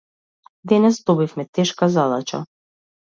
Денес добивме тешка задача.